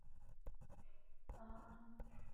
圣蒂尔。